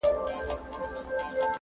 هنر هنر سوم زرګري کومه ښه کومه .